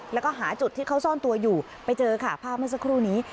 แล้วก็หาจุดที่เขาซ่อนตัวอยู่ไปเจอค่ะภาพเมื่อสักครู่นี้